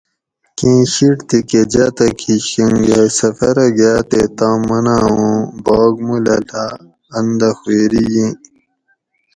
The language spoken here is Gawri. کیں شِیٹ تھی کہ جاتک کِشکھنگہ سفرہ گاۤ تے تام مناں اوں باگ مُو لۤلاۤ ان دہ خوئیری ییں